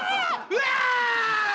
うわ！